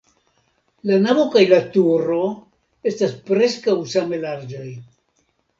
La navo kaj la turo estas preskaŭ same larĝaj.